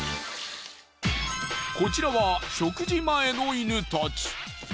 こちらは食事前の犬たち。